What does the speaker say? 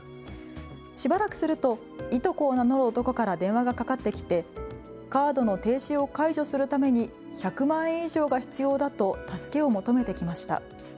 しばらくするといとこを名乗る男から電話がかかってきてカードの停止を解除するために１００万円以上が必要だと助けを求めてきました。